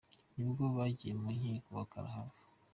Nibwo bagiye mu nkiko karahava !